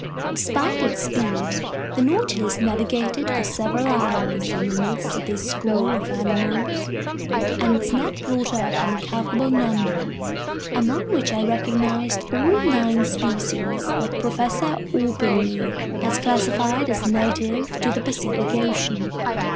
Despite its speed, the Nautilus navigated for several hours in the midst of this school of animals, and its nets brought up an incalculable number, among which I recognized all nine species that Professor Orbigny has classified as native to the Pacific Ocean.